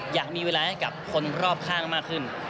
อยากมีเวลาให้กับคนรอบข้างมากขึ้น